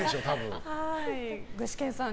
具志堅さん